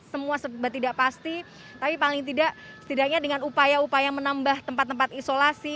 semua tidak pasti tapi paling tidak setidaknya dengan upaya upaya menambah tempat tempat isolasi